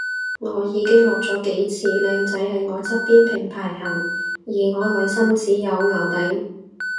我已經落咗幾次，靚仔喺我側邊平排行而我內心只有淆底